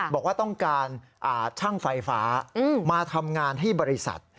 บอกว่าต้องการช่างไฟฟ้ามาทำงานให้บริษัท